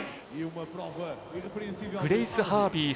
グレイス・ハービー。